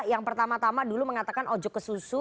yang pertama tama dulu mengatakan ojok ke susu